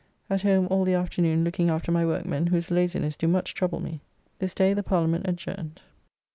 At home all the afternoon looking after my workmen, whose laziness do much trouble me. This day the Parliament adjourned.